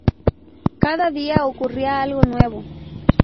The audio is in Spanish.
Cada día ocurría algo nuevo.